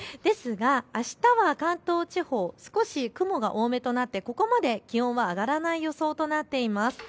ですがあしたは関東地方、少し雲が多めとなってここまで気温は上がらない予想となっています。